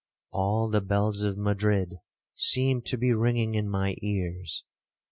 All the bells of Madrid seemed to be ringing in my ears.